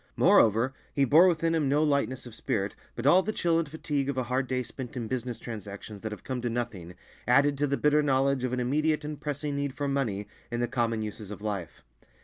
Moreover, he bore within him no lightness of spirit, but all the chill and fatigue of a hard day spent in business transactions that have come to nothing, added to the bitter knowledge of an immediate and pressing need for money in the common uses of life.